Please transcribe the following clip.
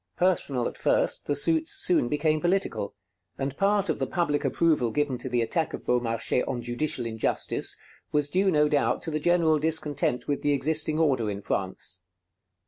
Personal at first, the suits soon became political; and part of the public approval given to the attack of Beaumarchais on judicial injustice was due no doubt to the general discontent with the existing order in France.